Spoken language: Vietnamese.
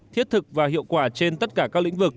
thiết thực và hiệu quả trên tất cả các lĩnh vực